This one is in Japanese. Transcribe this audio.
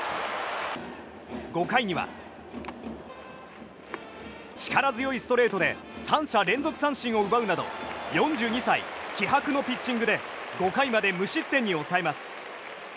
５回には、力強いストレートで３者連続三振を奪うなど４２歳、気迫のピッチングで５回まで無失点に抑えます。